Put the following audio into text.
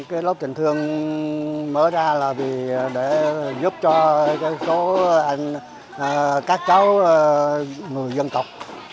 cái lớp tình thương mở ra là để giúp cho các cháu người dân tộc